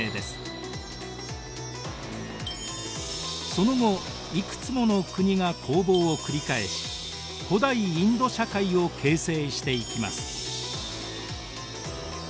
その後いくつもの国が攻防を繰り返し古代インド社会を形成していきます。